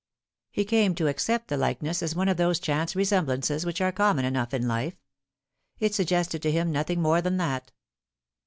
He came to accept the likeness as one of those chance resemblances which are common enough in life. It suggested to him nothing more than that.